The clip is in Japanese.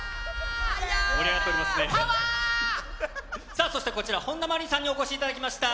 さあ、そしてこちら、本田真凜さんにお越しいただきました。